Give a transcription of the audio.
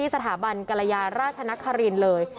สถาบันกรยาราชนครินเลย